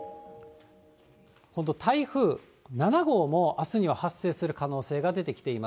今度、台風７号もあすには発生する可能性が出てきています。